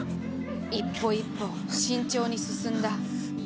「一歩一歩慎重に進んだ」